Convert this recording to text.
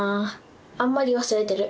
あんまり忘れてる。